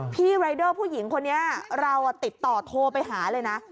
รายเดอร์ผู้หญิงคนนี้เราติดต่อโทรไปหาเลยนะ